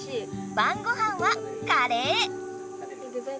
ばんごはんはカレー！